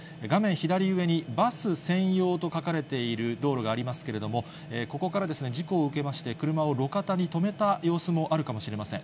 左上に、バス専用と書かれている道路がありますけれども、ここから事故を受けまして、車を路肩に止めた様子もあるかもしれません。